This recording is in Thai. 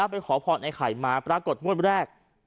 ไปขอพรไอ้ไข่มาปรากฏงวดแรก